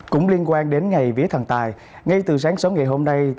cũng liên quan đến ngày vía thần tài ngay từ sáng sớm ngày hôm nay